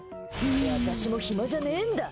私も暇じゃねえんだ！